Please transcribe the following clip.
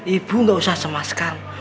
ibu gak usah cemaskan